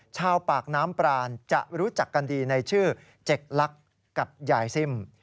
ชาวปากน้ำปรานจะรู้จักกันดีในชื่อเจ็กลักษณ์กับยายซิ่ม